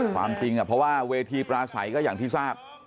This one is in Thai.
ความจริงเพราะว่าเวทีปลาใสก็อย่างที่ทราบ